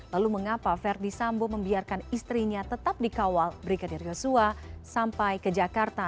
lalu mengapa verdi sambo membiarkan istrinya tetap dikawal brigadir yosua sampai ke jakarta